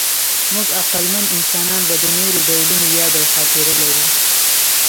موږ عقلمن انسانان به د نورو ډولونو یاد او خاطره لرو.